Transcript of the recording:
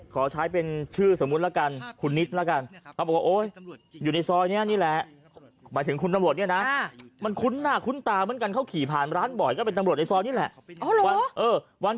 ขอใช้เป็นชื่อสมมุติละกัน